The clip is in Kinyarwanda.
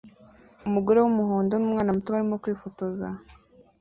Umugore wumuhondo numwana muto barimo kwifotoza